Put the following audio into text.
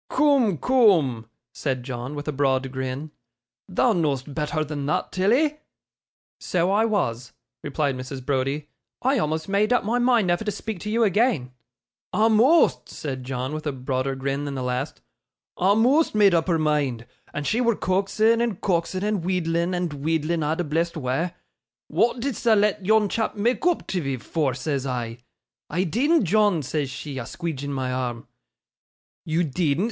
'Coom, coom,' said John, with a broad grin; 'thou know'st betther than thot, Tilly.' 'So I was,' replied Mrs. Browdie. 'I almost made up my mind never to speak to you again.' 'A'most!' said John, with a broader grin than the last. 'A'most made up her mind! And she wur coaxin', and coaxin', and wheedlin', and wheedlin' a' the blessed wa'. "Wa'at didst thou let yon chap mak' oop tiv'ee for?" says I. "I deedn't, John," says she, a squeedgin my arm. "You deedn't?"